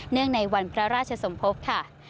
ในวันพระราชสมภพค่ะ